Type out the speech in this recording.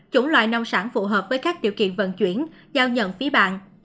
chủng loại nông sản phù hợp với các điều kiện vận chuyển giao nhận phía bàn